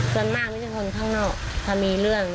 ส่วนมากไม่ใช่คนข้างนอกถ้ามีเรื่อง